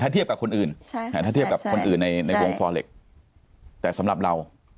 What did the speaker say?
ถ้าเทียบกับคนอื่นถ้าเทียบกับคนอื่นในวงฟอเล็กแต่สำหรับเรา